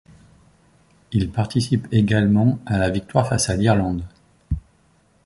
Il participe également à la victoire face à l'Irlande.